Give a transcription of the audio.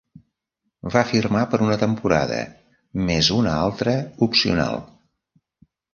Va firmar per una temporada més una altra opcional.